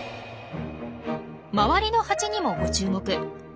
周りのハチにもご注目。